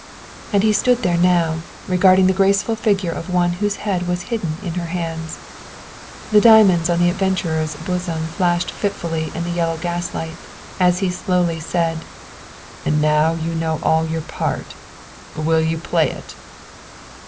And he stood there now, regarding the graceful figure of one whose head was hidden in her hands. The diamonds on the adventurer's bosom flashed fitfully in the yellow gaslight, as he slowly said, "And now you know all your part. Will you play it?"